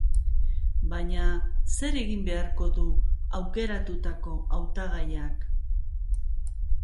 Baina, zer egin beharko du aukeratutako hautagaiak?